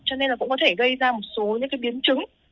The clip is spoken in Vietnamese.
cho nên là cũng có thể gây ra một số những biến chứng